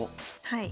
はい。